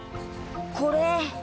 これ！